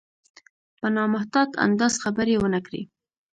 په نامحتاط انداز خبرې ونه کړي.